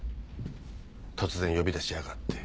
突然呼び出しやがって。